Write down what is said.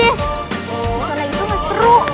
di sana itu gak seru